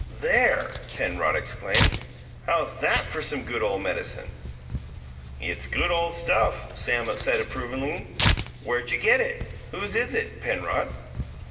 "There!" Penrod exclaimed. "How's that for some good ole medicine?" "It's good ole stuff," Sam said approvingly. "Where'd you get it? Whose is it, Penrod?"